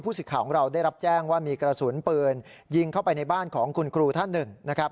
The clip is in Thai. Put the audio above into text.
สิทธิ์ของเราได้รับแจ้งว่ามีกระสุนปืนยิงเข้าไปในบ้านของคุณครูท่านหนึ่งนะครับ